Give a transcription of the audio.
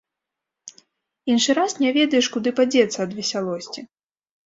Іншы раз не ведаеш, куды падзецца ад весялосці.